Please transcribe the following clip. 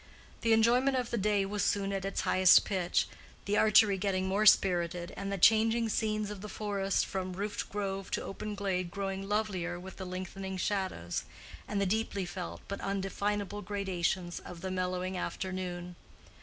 The enjoyment of the day was soon at its highest pitch, the archery getting more spirited and the changing scenes of the forest from roofed grove to open glade growing lovelier with the lengthening shadows, and the deeply felt but undefinable gradations of the mellowing afternoon.